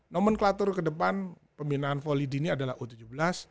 nomenklatur ke depan pembinaan volid ini adalah u tujuh belas u sembilan belas u dua puluh satu